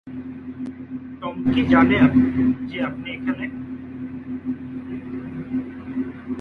Tom কি জানে যে আপনি এখানে?